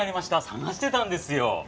探してたんですよ。